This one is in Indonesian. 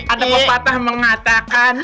ada kok patah mengatakan